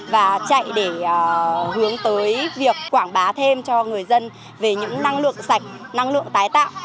và chạy để hướng tới việc quảng bá thêm cho người dân về những năng lượng sạch năng lượng tái tạo